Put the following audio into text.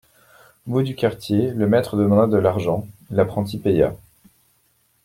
Au bout du quartier, le maître demanda de l'argent, et l'apprenti paya.